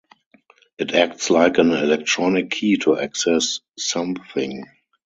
It acts like an electronic key to access something.